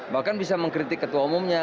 bahkan bisa mengkritik ketua umumnya